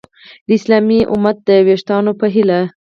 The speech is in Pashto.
د اسلامي امت د ویښتابه په هیله!